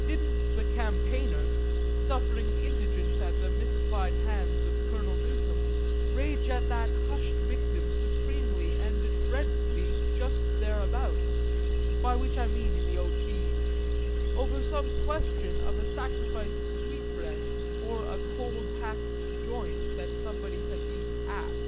Didn't the Campaigner, suffering indigence at the misapplied hands of Colonel Newcome, rage at that hushed victim supremely and dreadfully just thereabouts by which I mean in the haute ville over some question of a sacrificed sweetbread or a cold hacked joint that somebody had been "at"?